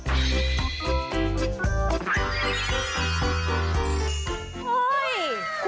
สวัสดีครับ